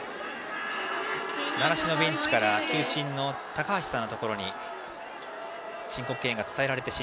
習志野ベンチから球審の高橋さんのところに申告敬遠が伝えられました。